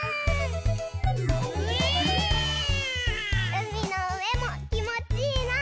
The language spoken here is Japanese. うみのうえもきもちいいな。